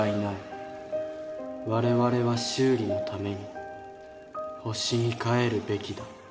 我々は修理のために星に帰るべきだ。